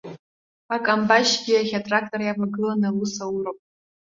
Акамбашьгьы иахьа атрактор иавагыланы аус ауроуп.